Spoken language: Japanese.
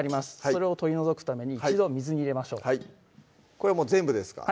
それを取り除くために一度水に入れましょうこれは全部ですか？